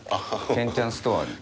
ケンチャンストアーに。